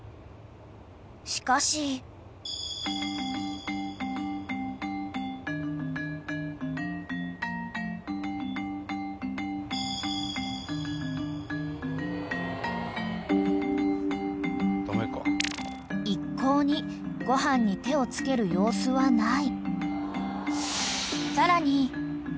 ［しかし］［一向にごはんに手を付ける様子はない］